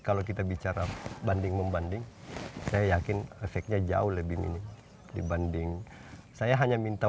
kalau kita bicara banding membanding saya yakin efeknya jauh lebih minim dibanding saya hanya minta